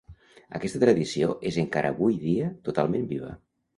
Aquesta tradició és encara avui dia totalment viva.